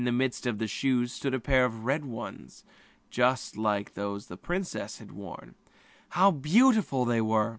Amongst the shoes stood a pair of red ones, like those which the princess had worn. How beautiful they were!